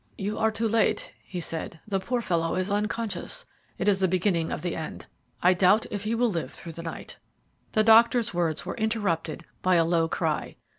"You are too late," he said, "the poor fellow is unconscious. It is the beginning of the end. I doubt if he will live through the night." The doctor's words were interrupted by a low cry.